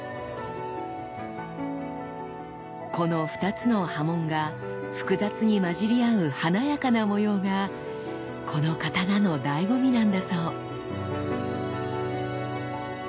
この２つの刃文が複雑にまじり合う華やかな模様がこの刀のだいご味なんだそう。